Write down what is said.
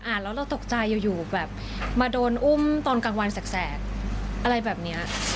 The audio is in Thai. เราตกใจอยู่แบบมาโดนอุ้มตอนกลางวันแสกอะไรแบบนี้